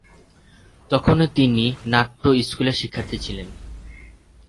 তখনও তিনি নাট্য স্কুলের শিক্ষার্থী ছিলেন।